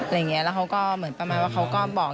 อะไรอย่างนี้แล้วเขาก็เหมือนประมาณว่าเขาก็บอก